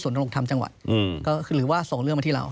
สนุกธรรมจังหวัดหรือว่าส่งเรื่องมาที่เรา